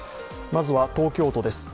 まずは東京都です